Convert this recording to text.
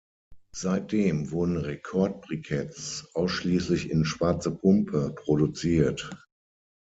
Seitdem wurden Rekord-Briketts ausschließlich in Schwarze Pumpe produziert.